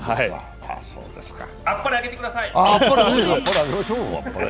あっぱれあげてください。